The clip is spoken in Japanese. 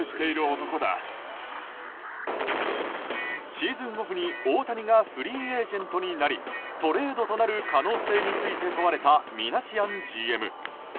シーズンオフに大谷がフリーエージェントになりトレードとなる可能性について問われたミナシアンＧＭ。